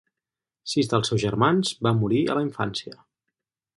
Sis dels seus germans van morir a la infància.